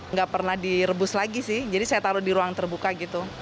nggak pernah direbus lagi sih jadi saya taruh di ruang terbuka gitu